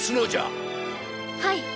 はい。